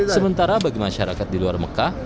sementara bagi masyarakat di luar mekah